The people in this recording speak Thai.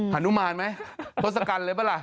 หนูมารไหมทศกัณฐ์เลยเปล่า